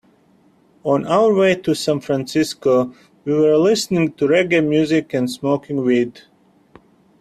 On our way to San Francisco, we were listening to reggae music and smoking weed.